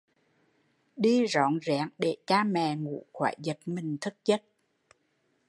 Đi dón dén để cha mẹ ngủ khỏi giật mình thức giấc